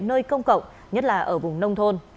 nơi công cộng nhất là ở vùng nông thôn